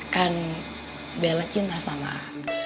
kan bella cinta sama a